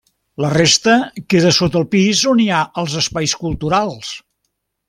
La resta queda sota el pis on hi ha els espais culturals.